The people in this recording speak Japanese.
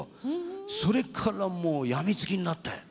それからもうやみつきになって。